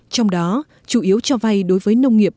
trong đó chủ yếu cho vay đối với nông nghiệp